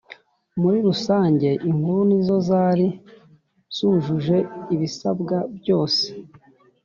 Muri rusange inkuru nizo zari zujuje ibisabwa byose